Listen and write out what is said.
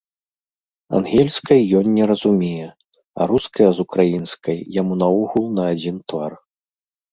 Ангельскай ён не разумее, а руская з украінскай яму наогул на адзін твар.